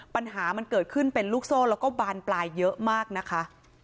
ปัญหามันเกิดขึ้นเป็นลูกโซ่แล้วก็บานปลายเยอะมากนะคะ